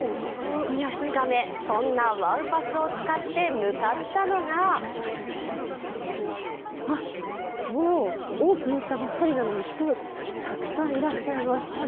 ２日目、そんなＷＯＷＰＡＳＳを使って向かったのがもうオープンしたばっかりなのに、人、たくさんいらっしゃいます。